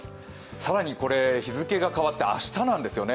更にこれ日付が変わって明日なんですよね。